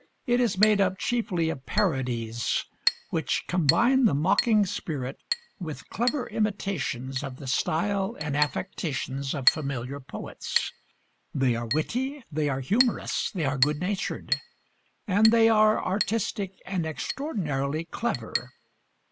It is made up chiefly of parodies, which combine the mocking spirit with clever imitations of the style and affectations of familiar poets. They are witty; they are humorous; they are good natured; and they are artistic and extraordinarily clever.